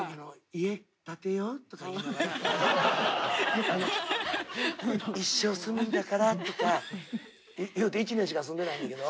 「家建てよう」とか言いながら「一生住むんだから」とか言うて１年しか住んでないんだけど。